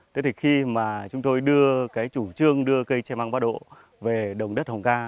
thế thì khi mà chúng tôi đưa cái chủ trương đưa cây tre măng bắt độ về đồng đất hồng ca